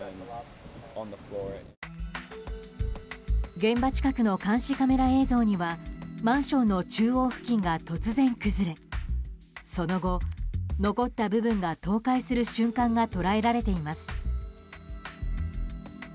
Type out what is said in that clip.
現場近くの監視カメラ映像にはマンションの中央付近が突然、崩れその後、残った部分が倒壊する瞬間が捉えられています。